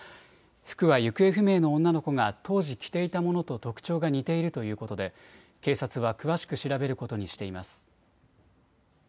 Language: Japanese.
服は行方不明の女の子が当時着ていたものと特徴が似ているということで、警察は詳しく調べることにしています。